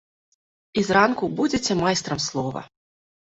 І зранку будзеце майстрам слова.